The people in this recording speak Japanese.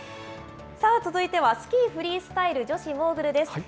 さあ、続いてはスキーフリースタイル女子モーグルです。